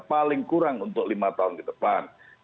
paling kurang untuk lima tahun ke depan